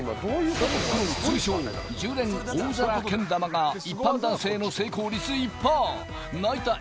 この通称１０連大皿けん玉が一般男性の成功率１％泣いた